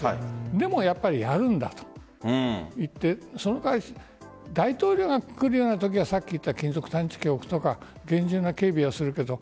でも、やっぱりやるんだと言ってその代わり大統領が来るようなときは金属探知機を置くとか厳重な警備をするけど